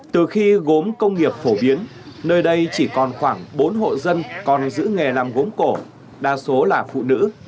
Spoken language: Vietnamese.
từ khi gốm công nghiệp phổ biến nơi đây chỉ còn khoảng bốn hộ dân còn giữ nghề làm gốm cổ đa số là phụ nữ